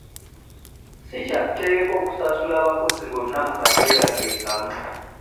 Si kyatteeka okusasula abakozi bonna mu kaseera ke kamu.